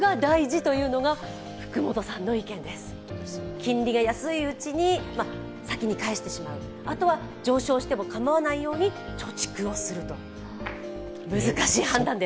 金利が安いうちに、先に返してしまう、あとは上昇しても構わないように貯蓄をすると、難しい判断です。